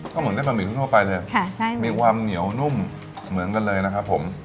ก็เหมือนได้บะหมี่ทั่วไปเลยมีความเหนียวนุ่มเหมือนกันเลยนะครับผม